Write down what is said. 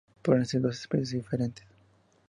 Podrían ser dos especies diferentes.